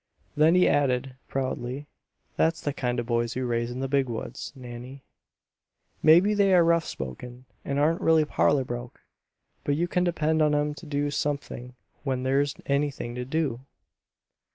Then he added, proudly: "That's the kind of boys we raise in the Big Woods, Nannie. Maybe they are rough spoken and aren't really parlor broke, but you can depend on 'em to do something when there's anything to do!"